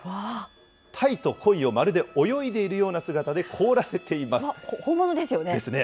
タイとコイをまるで泳いでいるような姿で凍らせています。ですね。